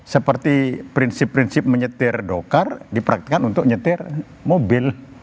seperti prinsip prinsip menyetir dokar dipraktikan untuk nyetir mobil